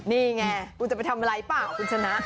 นี่ไงคุณจะไปทำอะไรเปล่าคุณชนะ